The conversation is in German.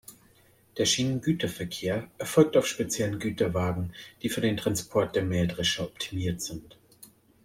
Der Schienengüterverkehr erfolgt auf speziellen Güterwagen, die für den Transport der Mähdrescher optimiert sind.